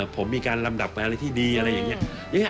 ผมมีการลำดับไปอะไรที่ดีอะไรอย่างนี้